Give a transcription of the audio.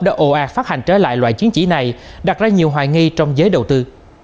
đã ồ ạc phát hành trái phiếu loại chiến chỉ này đặt ra nhiều hoài nghi trong giới đầu tư